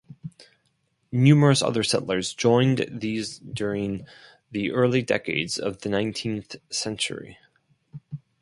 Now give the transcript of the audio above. Numerous other settlers joined these during the early decades of the nineteenth century.